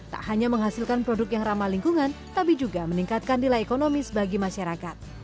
tak hanya menghasilkan produk yang ramah lingkungan tapi juga meningkatkan nilai ekonomis bagi masyarakat